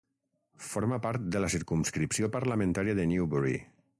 Forma part de la circumscripció parlamentària de Newbury.